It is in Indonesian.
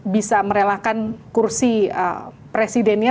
bisa merelakan kursi presidennya